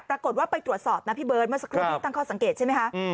ปรากฏว่าไปตรวจสอบนะพี่เบิร์ตเมื่อสักครู่พี่ตั้งข้อสังเกตใช่ไหมคะ